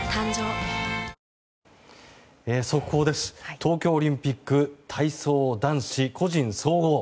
東京オリンピック体操男子個人総合。